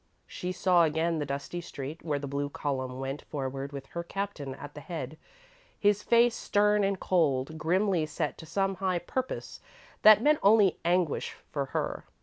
She saw again the dusty street, where the blue column went forward with her Captain at the head, his face stern and cold, grimly set to some high Purpose that meant only anguish for her.